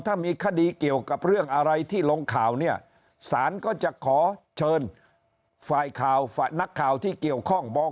ถ้ามีคดีเกี่ยวกับเรื่องอะไรที่ลงข่าวเนี่ยสารก็จะขอเชิญฝ่ายข่าวนักข่าวที่เกี่ยวข้องบอก